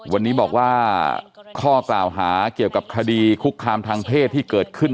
วันนี้บอกว่าข้อกล่าวหาเกี่ยวกับคดีคุกคามทางเพศที่เกิดขึ้น